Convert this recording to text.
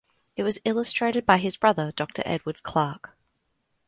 It was illustrated by his brother Dr Edward Clarke.